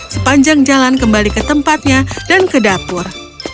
sepanjang jalan kembali ke tempatnya dan ke dapur